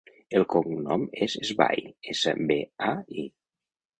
El cognom és Sbai: essa, be, a, i.